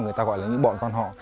người ta gọi là những bọn quan họ